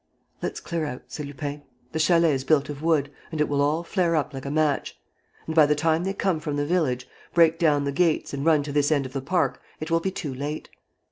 "Let's clear out," said Lupin. "The chalet is built of wood, it will all flare up like a match. And, by the time they come from the village, break down the gates and run to this end of the park, it will be too late.